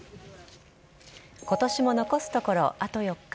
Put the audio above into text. ことしも残すところあと４日。